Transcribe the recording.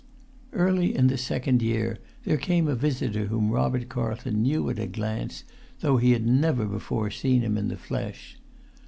Early in the second year there came a visitor whom Robert Carlton knew at a glance, though he had never before seen him in the flesh.